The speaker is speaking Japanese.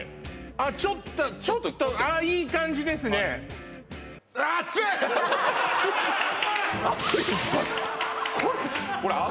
あっちょっとちょっとああいい感じですね熱いんですよ